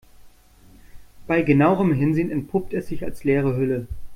Bei genauerem Hinsehen entpuppt es sich als leere Hülle.